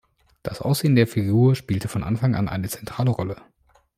Das Aussehen der Figur spielte von Anfang an eine zentrale Rolle.